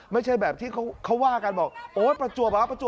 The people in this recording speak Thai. ไม่ใช่แบบที่เขาว่ากันบอกประจวบ